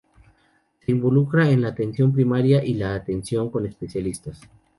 Se involucran en la atención primaria y la atención con especialistas.